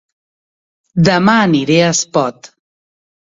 Dema aniré a Espot